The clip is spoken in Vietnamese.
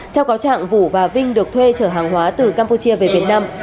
theo cáo trạng vũ và vinh được thuê chở hàng hóa từ campuchia về việt nam